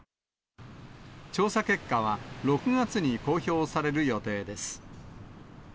調査結果は、６月に公表される予定です。